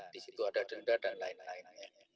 jadi itu adalah satu peraturan yang terlalu penting